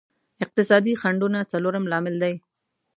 اقتصادي خنډونه څلورم لامل دی.